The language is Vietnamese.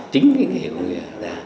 chính cái nghề của người ta